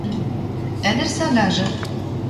Ӹдӹр сагажы —